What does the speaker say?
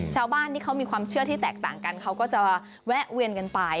ชาวบ้านที่เขามีความเชื่อที่แตกต่างกันเขาก็จะแวะเวียนกันไป